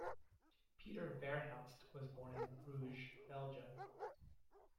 Peter Verhelst was born in Bruges, Belgium.